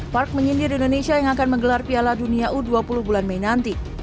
park menyindir indonesia yang akan menggelar piala dunia u dua puluh bulan mei nanti